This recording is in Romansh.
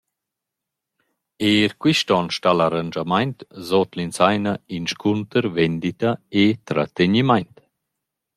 Eir quist on sta l’arrandschamaint suot l’insaina «Inscunter, vendita e trategnimaint».